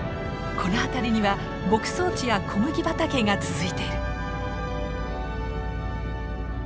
この辺りには牧草地や小麦畑が続いてる。